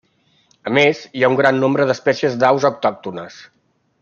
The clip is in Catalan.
A més, hi ha un gran nombre d'espècies d'aus autòctones.